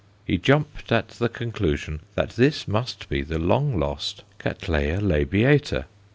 He jumped at the conclusion that this must be the long lost C. labiata.